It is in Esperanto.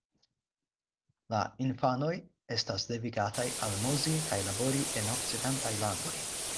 La infanoj estas devigataj almozi kaj labori en okcidentaj landoj.